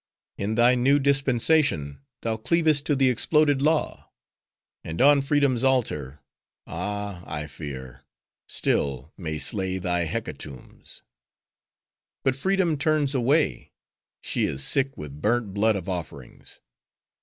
In thy New Dispensation, thou cleavest to the exploded Law. And on Freedom's altar—ah, I fear—still, may slay thy hecatombs. But Freedom turns away; she is sick with burnt blood of offerings.